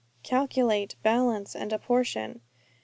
_ Calculate, balance, and apportion.